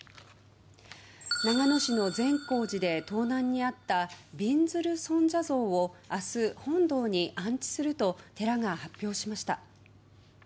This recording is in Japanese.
長野市の善光寺で盗難に遭ったびんずる尊者像を明日、本堂に安置すると寺が発表しました。